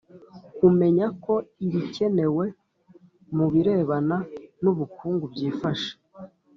kumenya ko ibikenewe mu birebana n ubukungu byifashe